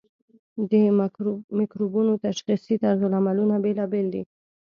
د مکروبونو تشخیصي طرزالعملونه بیلابیل دي.